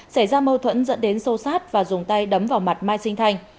xảy ra mâu thuẫn dẫn đến sâu sát và dùng tay đấm vào mặt mai sinh thành